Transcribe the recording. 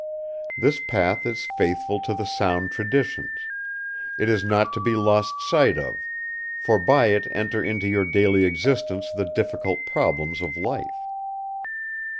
This path is faithful to the sound traditions; it is not to be lost sight of; for by it enter into your daily existence the difficult problems of life.